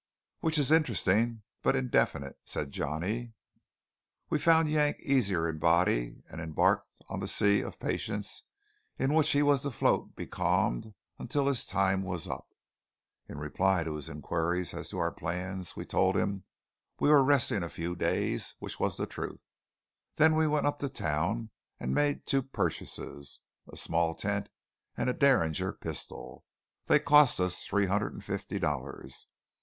"Which is interesting, but indefinite," said Johnny. We found Yank easier in body, and embarked on the sea of patience in which he was to float becalmed until his time was up. In reply to his inquiries as to our plans, we told him we were resting a few days, which was the truth. Then we went up to town and made two purchases; a small tent, and a derringer pistol. They cost us three hundred and fifty dollars.